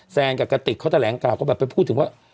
แซนกับกติกเขาแถลงข่าวก็แบบไปพูดถึงว่า